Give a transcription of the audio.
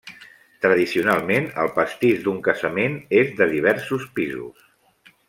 Tradicionalment el pastís d'un casament és de diversos pisos.